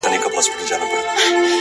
• کرۍ ورځ به وه په نجونو کي خندانه,